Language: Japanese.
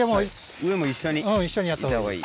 上も一緒に行ったほうがいい？